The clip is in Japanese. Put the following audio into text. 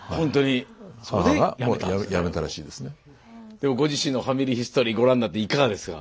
今日ご自身の「ファミリーヒストリー」ご覧になっていかがですか？